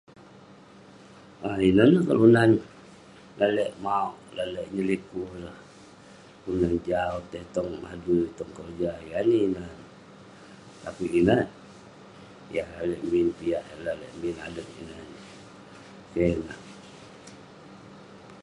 ah Inen neh kelunan lalek mauk, lalek nyelit. [unintelligible] kelunan jau tai tong adui, tong keroja ; yan neh ineh. Tapik ineh eh, yah lalek min piak yah lalek min adet ineh ineh. Keh ineh.